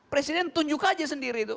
presiden tunjuk aja sendiri itu